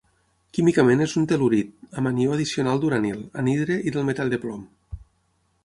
Químicament és un tel·lurit amb anió addicional d'uranil, anhidre i del metall de plom.